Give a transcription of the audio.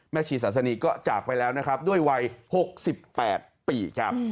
แม่ชีศาสนีก็จากไปแล้วด้วยวัย๖๘ปี